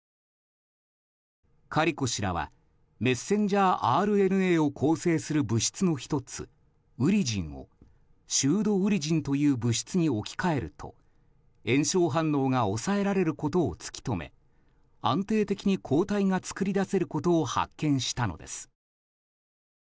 カリコ氏らはメッセンジャーＲＮＡを構成する物質の１つウリジンをシュードウリジンという物質に置き換えると炎症反応が抑えられることを突き止め安定的に抗体が作り出せることを発見したのです。